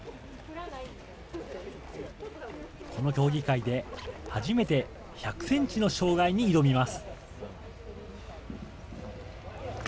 この競技会で初めて、１００センチの障害に挑みます。